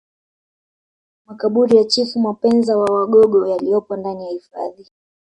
Makaburi ya Chifu Mapenza wa wagogo yaliyopo ndani ya hifadhi